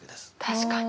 確かに。